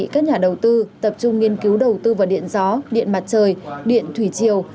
các nhà đầu tư tập trung nghiên cứu đầu tư vào điện gió điện mặt trời điện thủy chiều